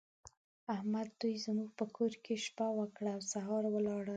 احمد دوی زموږ په کور کې شپه وکړه او سهار ولاړل.